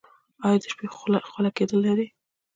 ایا د شپې خوله کیدل لرئ؟